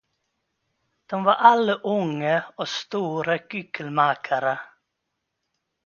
De var alla unga och stora gyckelmakare.